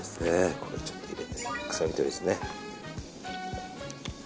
これ、ちょっと入れて臭み取り。